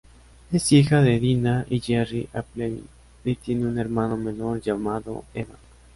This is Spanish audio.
Es hija de Dina y Jerry Appleby y tiene un hermano menor llamado Evan.